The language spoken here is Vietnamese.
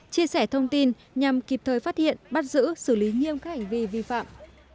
chia sẻ thông tin nhằm kịp thời phát hiện bắt giữ xử lý nghiêm các hành vi vi phạm